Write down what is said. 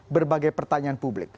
berbagai pertanyaan publik